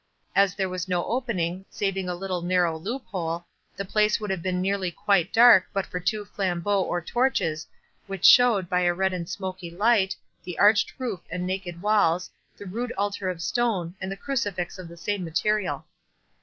As there was no opening, saving a little narrow loop hole, the place would have been nearly quite dark but for two flambeaux or torches, which showed, by a red and smoky light, the arched roof and naked walls, the rude altar of stone, and the crucifix of the same material.